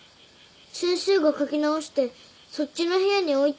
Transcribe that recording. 先生が書き直してそっちの部屋に置いてある。